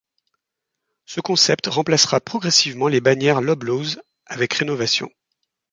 Ce concept remplacera progressivement les bannières Loblaws avec rénovation.